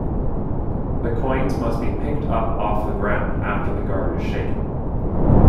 The coins must be picked up off the ground after the guard is shaken.